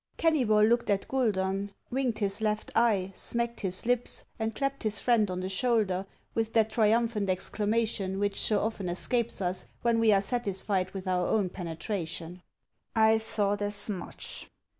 Kennybol looked at Guidon, winked his left eye, smacked his lips, and clapped his friend on the shoulder with that triumphant exclamation which so often escapes us when we are satisfied with our own penetration, —" I thought as much